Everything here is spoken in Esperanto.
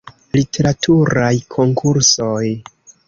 Literaturaj konkursoj.